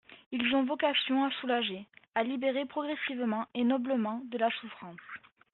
Ils ont vocation à soulager, à libérer progressivement et noblement de la souffrance.